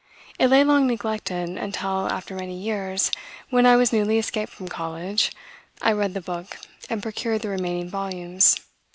It lay long neglected, until, after many years, when I was newly escaped from college, I read the book, and procured the remaining volumes.